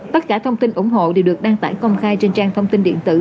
tất cả thông tin ủng hộ đều được đăng tải công khai trên trang thông tin điện tử